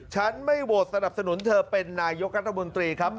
ฉันไม่โหวตสนับสนุนเธอเป็นนายกรัฐมนตรีครับ